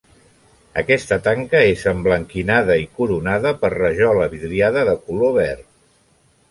Aquesta tanca és emblanquinada i coronada per rajola vidriada de color verd.